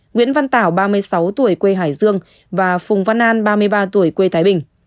nguyễn văn tảo ba mươi sáu tuổi quê hải dương và phùng văn an ba mươi ba tuổi quê thái bình